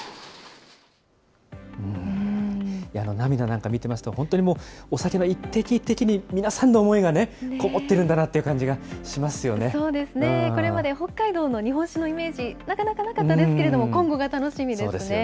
涙なんか見てますと、本当にもう、お酒の一滴一滴に皆さんの思いがこもっているんだなって感じがしそうですね、これまで北海道の日本酒のイメージ、なかなかなかったですけれども、飲むのが楽しみですよね。